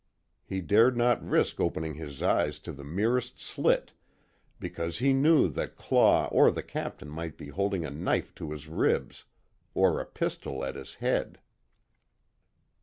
He dared not risk opening his eyes to the merest slit, because he knew that Claw or the Captain might be holding a knife to his ribs, or a pistol at his head.